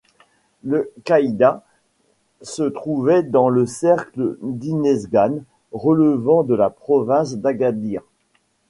Le caïdat se trouvait dans le cercle d'Inezgane, relevant de la province d'Agadir.